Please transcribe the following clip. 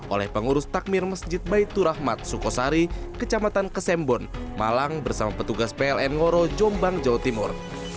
oleh pengurus takmir masjid baitur rahmat sukosari kecamatan kesembon malang bersama petugas pln ngoro jombang jawa timur